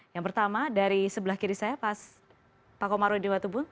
yang pertama dari sebelah kiri saya pak komarudi watubun